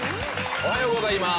おはようございます。